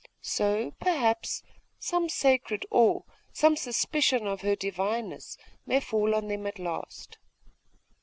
So, perhaps, some sacred awe, some suspicion of her divineness, may fall on them at last.